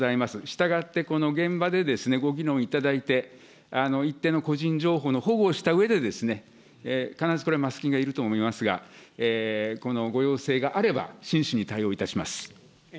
したがって、この現場でご議論いただいて、一定の個人情報の保護をしたうえで、必ずこれはマスキングがいると思いますが、このご要請があれば、真摯に対応いたします。